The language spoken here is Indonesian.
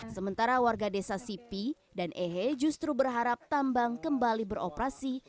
sementara warga desa sipi dan ehe justru berharap tambang kembali beroperasi